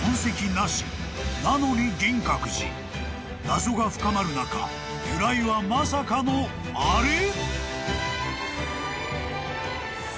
［謎が深まる中由来はまさかのあれ！？］